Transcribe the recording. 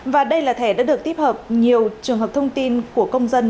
và đây là thẻ đã được tích hợp nhiều trường hợp thông tin của công dân